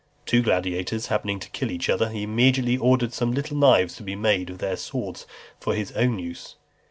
Two gladiators happening to kill each other, he immediately ordered some little knives to be made of their swords for his own use.